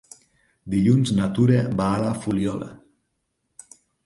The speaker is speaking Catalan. Dilluns na Tura va a la Fuliola.